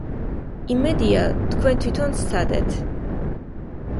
იმედია, თქვენ თვითონ სცადეთ.